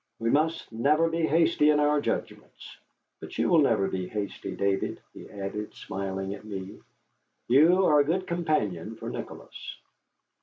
We must never be hasty in our judgments. But you will never be hasty, David," he added, smiling at me. "You are a good companion for Nicholas."